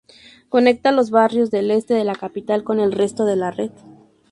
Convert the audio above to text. Conecta los barrios del este de la capital con el resto de la red.